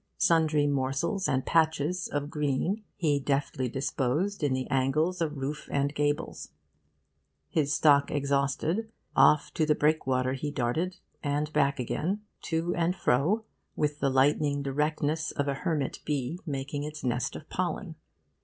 Sundry morsels and patches of green he deftly disposed in the angles of roof and gables. His stock exhausted, off to the breakwater he darted, and back again, to and fro with the lightning directness of a hermit bee making its nest of pollen.